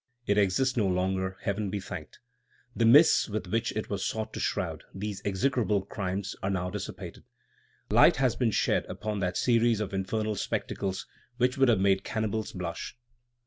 It exists no longer, Heaven be thanked. The mists with which it was sought to shroud these execrable crimes are now dissipated. Light has been shed upon that series of infernal spectacles which would have made cannibals blush.